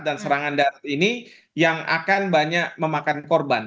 dan serangan darat ini yang akan banyak memakan korban